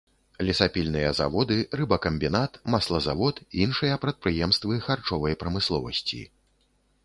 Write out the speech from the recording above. Лесапільныя заводы, рыбакамбінат, маслазавод, іншыя прадпрыемствы харчовай прамысловасці.